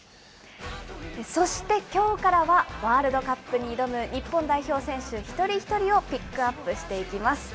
そしてきょうからは、ワールドカップに挑む日本代表選手一人一人をピックアップしていきます。